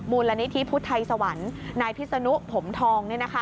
มูลนิธิพุทธไทยสวรรค์นายพิษนุผมทอง